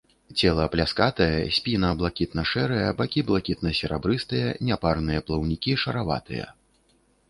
Цела пляскатае, спіна блакітна-шэрая, бакі блакітна-серабрыстыя, няпарныя плаўнікі шараватыя.